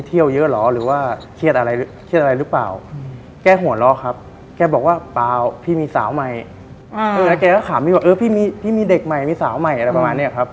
ก็เลยไปถามพี่มาร์ค